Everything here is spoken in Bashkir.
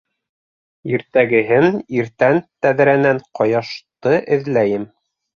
Иртәгеһен иртән тәҙрәнән ҡояшты эҙләйем.